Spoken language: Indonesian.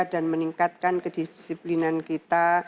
dan meningkatkan kedisiplinan kita